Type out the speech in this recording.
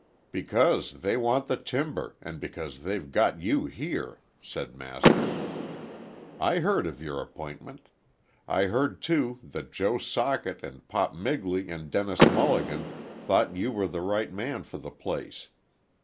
"Because they want the timber, and because they've got you here," said Master. "I heard of your appointment. I heard, too, that Joe Socket and Pop Migley and Dennis Mulligan thought you were the right man for the place.